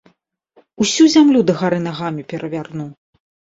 Усю зямлю дагары нагамі перавярну!